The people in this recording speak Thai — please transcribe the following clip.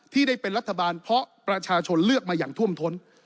ที่ได้เป็นรัฐบาลเพราะประชาชนเลือกมาอย่างท่วมท้น